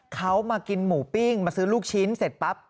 เขามากินหมูปิ้งมาซื้อลูกชิ้นเสร็จปั๊บ